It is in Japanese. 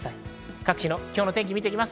各地の今日の天気を見ていきます。